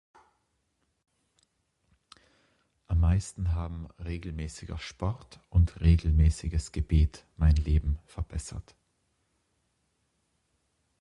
Am meisten haben regelmäßiger Sport und regelmäßiges Gebet mein Leben verbessert.